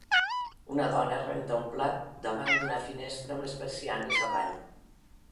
Una dona renta un plat davant d'una finestra amb les persianes avall.